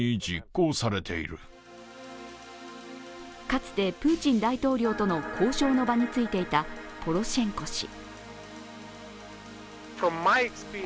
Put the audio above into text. かつてプーチン大統領との交渉の場についていたポロシェンコ氏。